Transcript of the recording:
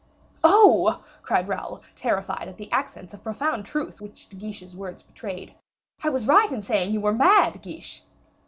'" "Oh!" cried Raoul, terrified at the accents of profound truth which De Guiche's words betrayed, "I was right in saying you were mad, Guiche."